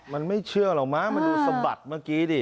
มันไม่เชื่อหรอกมั้ยมันดูสะบัดเมื่อกี้ดิ